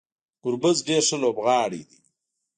ګربز ډیر ښه لوبغاړی دی